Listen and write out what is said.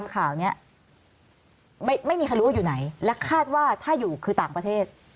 ข่าวนี้ไม่มีใครรู้ว่าอยู่ไหนและคาดว่าถ้าอยู่คือต่างประเทศ